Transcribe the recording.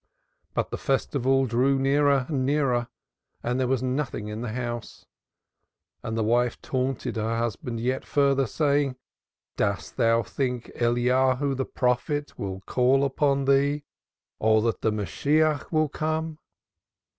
But the Festival drew nearer and nearer and there was nothing in the house. And the wife taunted her husband yet further, saying, "Dost thou think that Elijah the prophet will call upon thee or that the Messiah will come?"